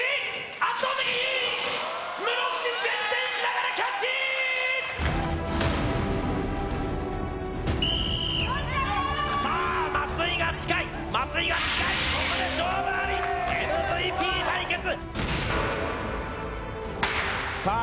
圧倒的に有利室伏前転しながらキャッチさあ松井が近い松井が近いここで勝負ありＭＶＰ対決さあ